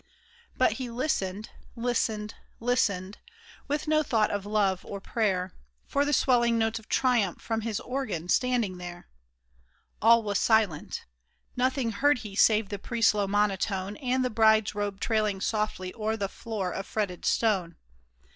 But he listened, listened, listened, with no thought of love or prayer, For the swelling notes of triumph from his organ standing there. All was silent. Nothing heard he save the priest's low monotone, And the bride's robe trailing softly o'er the floor of fretted stone.